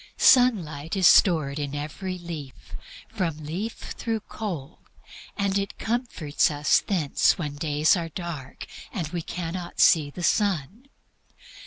Sunlight is stored in every leaf, from leaf through coal, and it comforts us thence when days are dark and we cannot see the sun.